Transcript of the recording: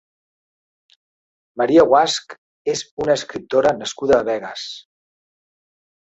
Maria Guasch és una escriptora nascuda a Begues.